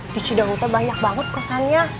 di cidahu tuh banyak banget kesannya